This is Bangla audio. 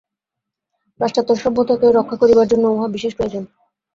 পাশ্চাত্য সভ্যতাকে রক্ষা করিবার জন্য উহা বিশেষ প্রয়োজন।